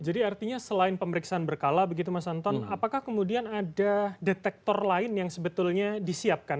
jadi artinya selain pemeriksaan berkala begitu mas anton apakah kemudian ada detektor lain yang sebetulnya disiapkan